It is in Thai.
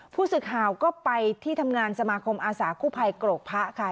ผู้สื่อข่าวก็ไปที่ทำงานสมาคมอาสาคู่ภัยโกรกพระค่ะ